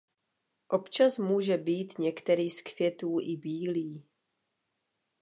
Občas může být některý z květů i bílý.